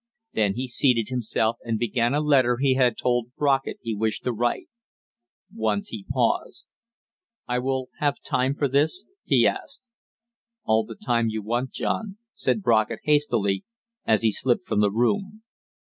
Then he seated himself and began a letter he had told Brockett he wished to write. Once he paused. "I will have time for this?" he asked. "All the time you want, John," said Brockett hastily, as he slipped from the room.